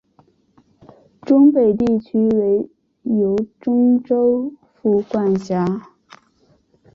忠北地区由忠州府管辖。